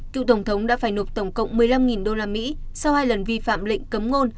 cựu tổng thống đã phải nộp tổng cộng một mươi năm usd sau hai lần vi phạm lệnh cấm ngôn